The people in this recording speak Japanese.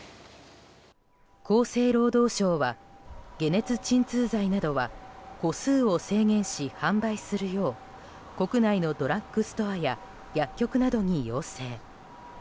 厚生労働省は、解熱鎮痛剤などは個数を制限し販売するよう国内のドラッグストアや薬局などに要請。